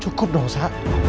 cukup dong sa